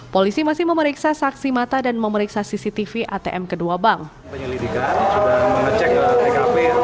polisi masih memeriksa saksi mata dan memeriksa cctv atm kedua bank